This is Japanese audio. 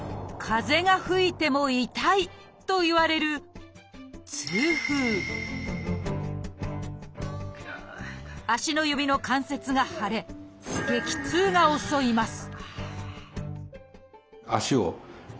「風が吹いても痛い」といわれる足の指の関節が腫れ激痛が襲います